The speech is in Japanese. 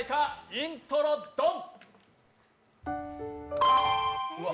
イントロ・ドン。